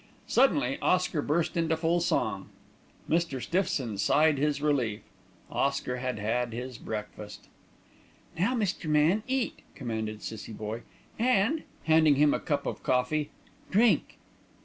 Suddenly Oscar burst into full song. Mr. Stiffson sighed his relief. Oscar had had his breakfast. "Now, Mr. Man, eat," commanded Cissie Boye, "and," handing him a cup of coffee, "drink."